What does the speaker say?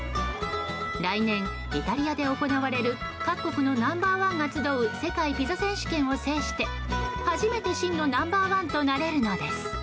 来年イタリアで行われる各国のナンバー１が集う世界ピザ選手権を制して初めて真のナンバー１となれるのです。